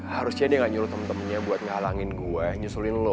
harusnya dia gak nyuruh temen temennya buat ngalangin gue nyusulin lo